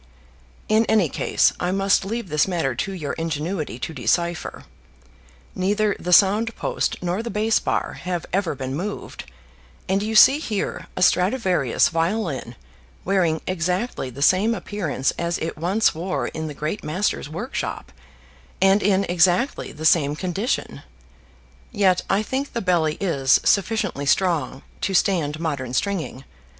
"In any case, I must leave this matter to your ingenuity to decipher. Neither the sound post nor the bass bar have ever been moved, and you see here a Stradivarius violin wearing exactly the same appearance as it once wore in the great master's workshop, and in exactly the same condition; yet I think the belly is sufficiently strong to stand modern stringing.